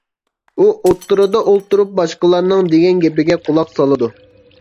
ئۇ ئوتتۇرىدا ئولتۇرۇپ باشقىلارنىڭ دېگەن گېپىگە قۇلاق سالىدۇ.